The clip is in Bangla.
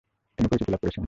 তিনি পরিচিতি লাভ করেছিলেন।